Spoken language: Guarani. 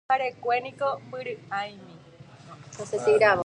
Pyharekue niko mbyry'áimi.